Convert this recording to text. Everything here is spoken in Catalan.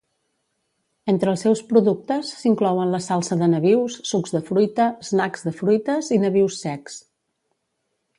Entre els seus productes s'inclouen la salsa de nabius, sucs de fruita, snacks de fruites i nabius secs.